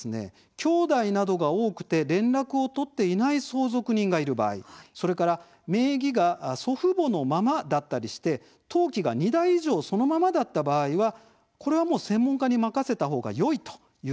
きょうだいなどが多くて連絡を取っていない相続人がいる場合、それから名義が祖父母のままだったりして登記が２代以上そのままだった場合はこれはもう専門家に任せた方がよいということでした。